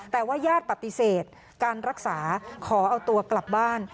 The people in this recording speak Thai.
แต่ว่าญาติปฏิเสธการรักษาขอเอาตัวกลับบ้าน